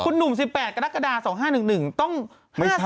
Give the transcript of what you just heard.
คุณหนุ่ม๑๘กระดาษ๒๕๑๑ต้อง๕๒แล้วค่ะ